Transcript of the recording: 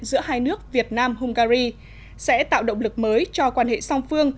giữa hai nước việt nam hungary sẽ tạo động lực mới cho quan hệ song phương